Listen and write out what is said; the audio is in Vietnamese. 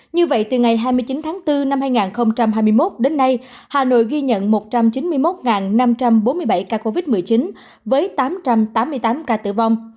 như vậy từ ngày hai mươi chín tháng bốn năm hai nghìn hai mươi một đến nay hà nội ghi nhận một trăm chín mươi một năm trăm bốn mươi bảy ca covid một mươi chín với tám trăm tám mươi tám ca tử vong